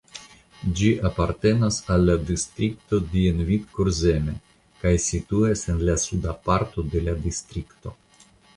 Ĝi apartenas al distrikto Dienvidkurzeme kaj situas en suda parto de la distrikto.